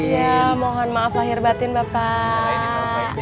ya mohon maaf lahir batin bapak